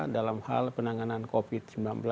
dalam hal penanganan covid sembilan belas